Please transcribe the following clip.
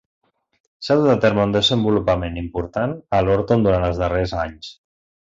S'ha dut a terme un desenvolupament important a Lorton durant els darrers anys.